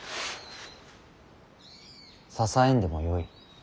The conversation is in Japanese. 支えんでもよい。